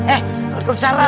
eh walaikum salam